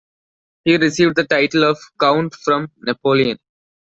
He received the title of Count from Napoleon.